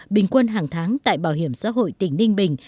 bình quân hàng tháng tại bảo hiểm xã hội tỉnh ninh bình